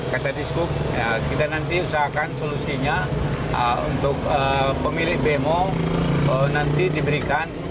kita nanti usahakan solusinya untuk pemilik bmo nanti diberikan